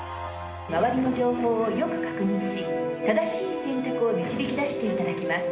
周りの状況をよく確認し、正しい選択を導き出していただきます。